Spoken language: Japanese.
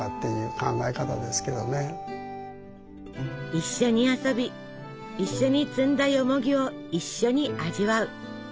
一緒に遊び一緒に摘んだよもぎを一緒に味わう。